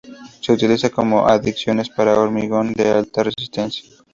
Se utiliza como adiciones para hormigón de alta resistencia.